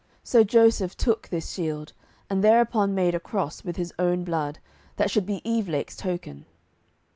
So Joseph took this shield, and thereupon he made a cross with his own blood; that should be Evelake's token.